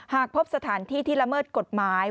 หากพบสถานที่ที่ละเมิดกฎหมาย